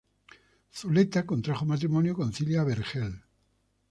Zuleta contrajo matrimonio con Cilia Vergel.